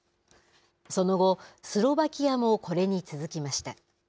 その後、スロバキアもこれに続きました。